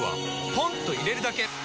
ポンと入れるだけ！